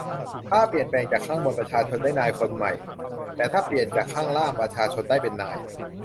ถ้าเปลี่ยนแปลงจากข้างบน ประชาชนได้นายคนใหม่ แต่ถ้าเปลี่ยนจากข้างล่าง ประชาชนได้เป็นนาย